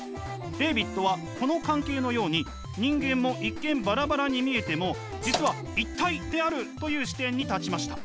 レーヴィットはこの関係のように人間も一見バラバラに見えても実は一体であるという視点に立ちました。